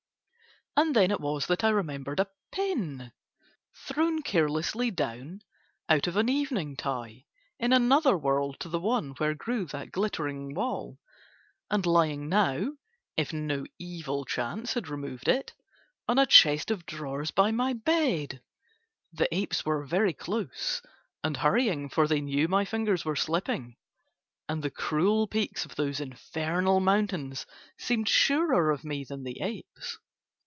And then it was that I remembered a pin, thrown carelessly down out of an evening tie in another world to the one where grew that glittering wall, and lying now if no evil chance had removed it on a chest of drawers by my bed. The apes were very close, and hurrying, for they knew my fingers were slipping, and the cruel peaks of those infernal mountains seemed surer of me than the apes.